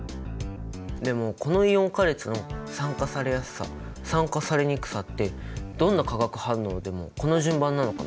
でもこのイオン化列の酸化されやすさ酸化されにくさってどんな化学反応でもこの順番なのかな？